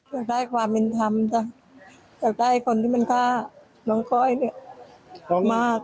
อยากได้ความเป็นธรรมจ้ะอยากได้คนที่มันฆ่าน้องก้อยเนี่ยมาก